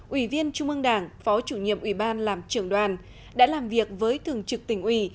ủy viên trung ương đảng phó chủ nhiệm ủy ban làm trưởng đoàn đã làm việc với thường trực tỉnh ủy